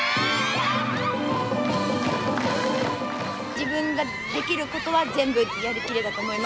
自分ができることは全部やりきれたと思います。